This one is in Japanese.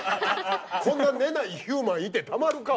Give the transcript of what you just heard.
こんな寝ないヒューマンいてたまるか。